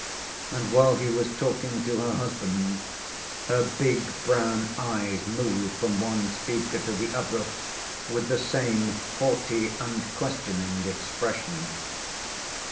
And while he was talking to her husband, her big brown eyes moved from one speaker to the other with the same haughty and questioning expression.